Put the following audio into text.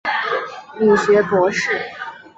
理学博士。